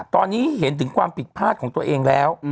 ตอนนี้เห็นถึงความผิดพลาดของตัวเองแล้ว